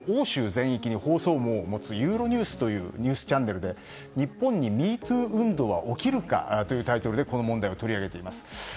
この問題はまだ各国で現在進行形で報じられていまして今月も欧州全域に放送網を持つユーロニュースというニュースチャンネルで日本にＭｅｔｏｏ運動は起こるかというタイトルでこの問題を取り上げています。